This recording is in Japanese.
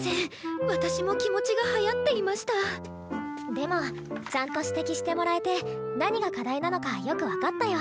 でもちゃんと指摘してもらえて何が課題なのかよく分かったよ。